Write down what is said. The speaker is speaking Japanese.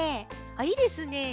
いいですね。